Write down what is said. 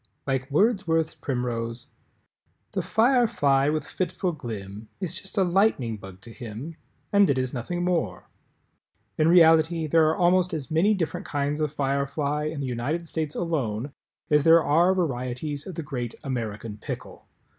… Like Wordsworth's primrose: The Firefly with fitful glim Is just a Lightning Bug to him And it is nothing more. In reality there are almost as many different kinds of Firefly in the United States alone as there are varieties of the great American Pickle.